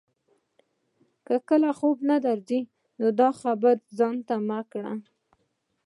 که کله خوب نه درځي نو دا خبرې ځان ته وکړه.